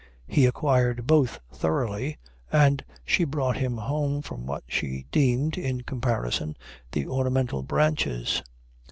He acquired both thoroughly, and she brought him home for what she deemed, in comparison, the ornamental branches.